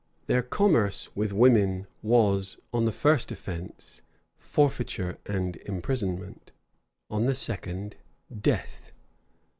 Their commerce with women was, on the first offence, forfeiture and imprisonment; on the second, death.